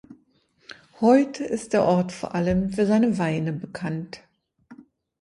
Heute ist der Ort vor allem für seine Weine bekannt.